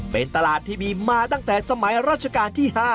เป็นตลาดที่มีมาตั้งแต่สมัยราชการที่๕